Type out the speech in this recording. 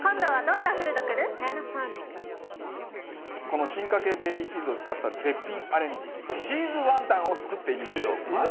この進化系ベビーチーズを使った絶品アレンジチーズワンタンを作ってみましょう。